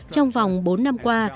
trong vòng bốn năm qua